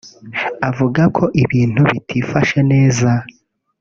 avuga ko ibintu bitifashe neza